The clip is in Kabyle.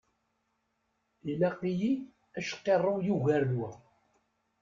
Ilaq-iyi acqirrew yugaren wa.